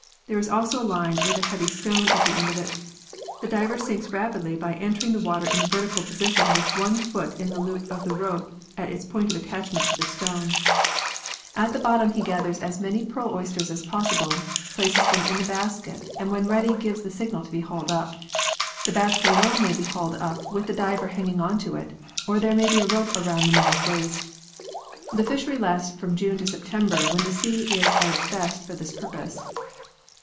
There is also a line with a heavy stone at the end of it. The diver sinks rapidly by entering the water in a vertical position with one foot in the loop of the rope at its point of attachment to the stone. vn] PEARL FISHERIES OF OTHER LANDS 85 At the bottom, he gathers as many pearl oysters as possible, places them in the basket, and when ready gives the signal to be hauled up. The basket alone may be hauled up with the diver hanging on to it or there may be a rope round the man's waist. The fishery lasts from June to September when the sea is at its best for this purpose.